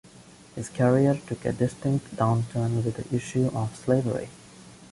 His career took a distinct downturn with the issue of slavery.